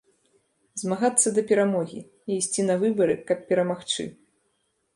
Змагацца да перамогі і ісці на выбары, каб перамагчы.